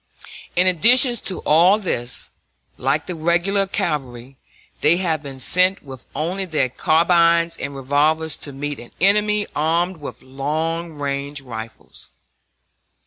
In addition to all this, like the regular cavalry, they have been sent with only their carbines and revolvers to meet an enemy armed with long range rifles.